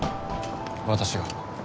私が。